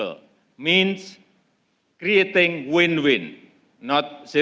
berarti menciptakan kemenangan